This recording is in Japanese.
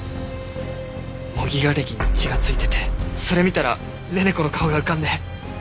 模擬瓦礫に血が付いててそれ見たら寧々子の顔が浮かんで。